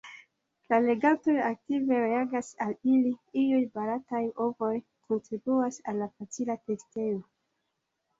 La legantoj aktive reagas al ili; iuj barataj “ovoj” kontribuas al la facila tekstejo.